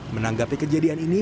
menanggapi kejadian ini